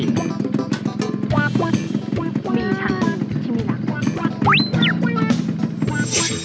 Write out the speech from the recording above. มีชาวที่ไม่รัก